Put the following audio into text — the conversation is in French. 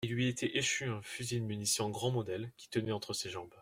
Il lui était échu un fusil de munition grand modèle, qu'il tenait entre ses jambes.